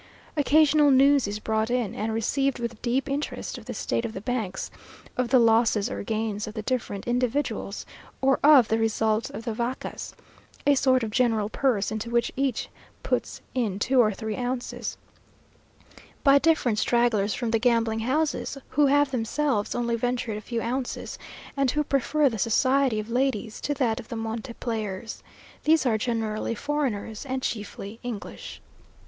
Occasional news is brought in, and received with deep interest of the state of the banks, of the losses or gains of the different individuals, or of the result of the vacas, (a sort of general purse into which each puts in two or three ounces,) by different stragglers from the gambling houses, who have themselves only ventured a few ounces, and who prefer the society of ladies to that of the Monte players. These are generally foreigners, and chiefly English.